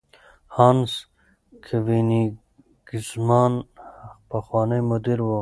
هانس کوېنیګزمان پخوانی مدیر و.